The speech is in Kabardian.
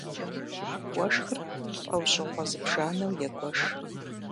Уэшхыр лӀэужьыгъуэ зыбжанэу егуэш.